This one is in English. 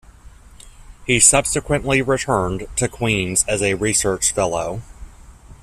He subsequently returned to Queens' as a research fellow.